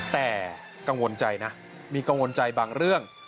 แต่กังวลใจนะมีกังวลใจบางเรื่อง